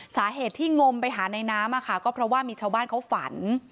สาเหตุที่งมไปหาในน้ำก็เพราะว่ามีชาวบ้านเขาฝัน